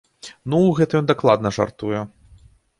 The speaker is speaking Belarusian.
Ну, гэта ён дакладна жартуе!